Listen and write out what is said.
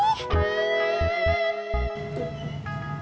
gak usah ada di sini